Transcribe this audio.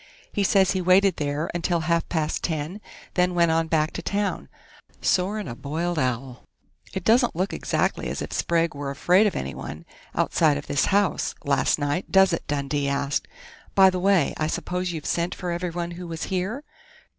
He says he waited there until half past ten, then went on back to town, sore'n a boiled owl." "It doesn't look exactly as if Sprague were afraid of anyone outside of this house last night, does it?" Dundee asked. "By the way, I suppose you've sent for everyone who was here?"